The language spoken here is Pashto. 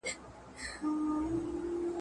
هیلې په سر خوځولو سره د مور خبره رد کړه.